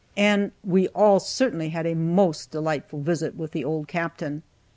And we all certainly had a most delightful visit with the old Captain.